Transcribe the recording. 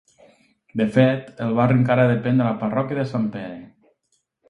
De fet, el barri encara depèn de la parròquia de Sant Pere.